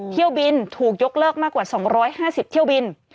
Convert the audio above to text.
เที่ยวบินถูกยกเลิกมากกว่า๒๕๐เที่ยวบิน